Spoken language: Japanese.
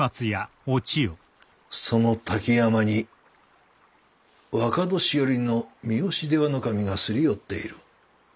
その滝山に若年寄の三好出羽守が擦り寄っている。